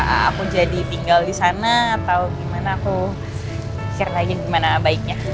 aku jadi tinggal disana atau gimana aku pikirin lagi gimana baiknya